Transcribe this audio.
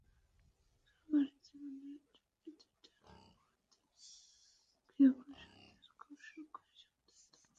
খেলোয়াড়ি জীবনের ইতি টানার পর, তিনি জাতীয় ক্রীড়া পরিষদের কোষাধ্যক্ষ হিসেবে দায়িত্ব পালন করেছিলেন।